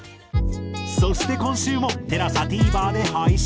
そして今週もＴＥＬＡＳＡＴＶｅｒで配信。